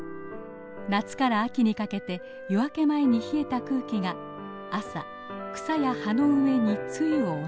夏から秋にかけて夜明け前に冷えた空気が朝草や葉の上に露を落とします。